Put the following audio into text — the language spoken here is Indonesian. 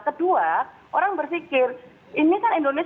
kedua orang berpikir ini kan indonesia